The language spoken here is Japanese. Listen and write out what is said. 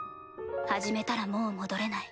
始めたらもう戻れない。